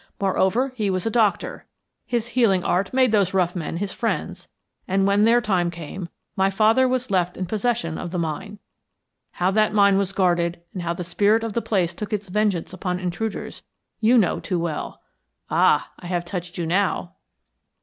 Moreover, he was a doctor. His healing art made those rough men his friends, and when their time came, my father was left in possession of the mine. How that mine was guarded and how the spirit of the place took its vengeance upon intruders, you know too well. Ah, I have touched you now."